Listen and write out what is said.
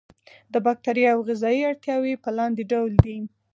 د باکتریاوو غذایي اړتیاوې په لاندې ډول دي.